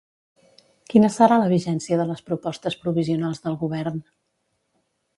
Quina serà la vigència de les propostes provisionals del govern?